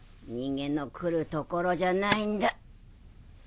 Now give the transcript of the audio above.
人間の来るところじゃないんだ。